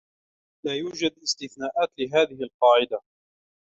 لا يوجد استثناءات لهذه القاعدة.